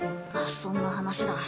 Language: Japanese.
そんな話だ。